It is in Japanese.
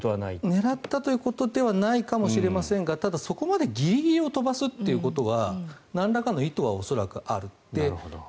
狙ったということではないかもしれませんがただ、そこまでギリギリに飛ばすということはなんらかの意図は恐らくある。